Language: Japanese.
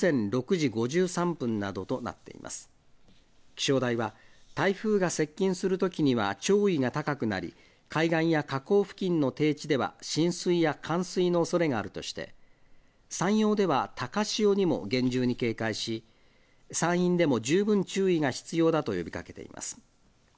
気象台は台風が接近するときには潮位が高くなり、海岸や河口付近の低地では浸水や冠水のおそれがあるとして山陽では高潮にも厳重に警戒し山陰でも十分注意が必要だと呼びかけています。